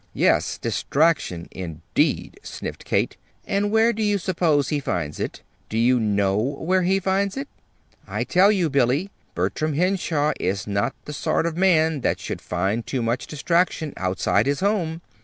"Yes, 'distraction,' indeed," sniffed Kate. "And where do you suppose he finds it? Do you know where he finds it? I tell you, Billy, Bertram Henshaw is not the sort of man that should find too much 'distraction' outside his home.